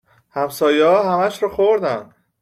همسایه ها همش رو خوردن